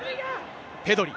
ペドリ。